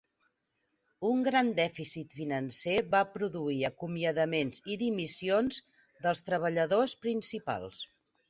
Un gran dèficit financer va produir acomiadaments i dimissions dels treballadors principals.